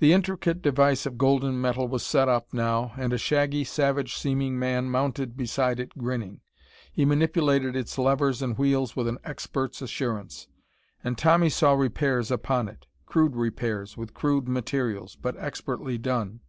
The intricate device of golden metal was set up, now, and a shaggy, savage seeming man mounted beside it grinning. He manipulated its levers and wheels with an expert's assurance. And Tommy saw repairs upon it. Crude repairs, with crude materials, but expertly done.